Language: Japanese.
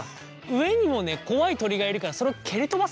上にもね怖い鳥がいるからそれを蹴り飛ばすんだよね。